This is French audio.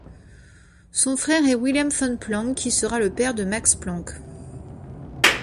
Son frère est Wilhelm von Planck qui sera le père de Max Planck.